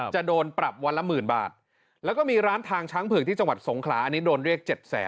จะโดนปรับวันละหมื่นบาทแล้วก็มีร้านทางช้างเผือกที่จังหวัดสงขลาอันนี้โดนเรียก๗๐๐